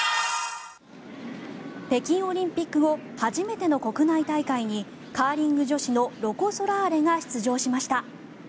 北京オリンピック後初めての国内大会にカーリング女子のロコ・ソラーレが出場しました。